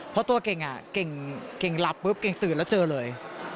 เพราะตัวเก่งเก่งหลับปุ๊บเก่งตื่นแล้วเจอเลย